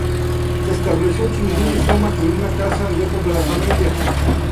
Se estableció con Shigure Sōma en una casa lejos de la familia.